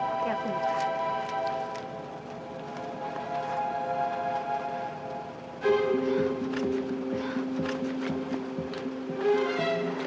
oke aku buka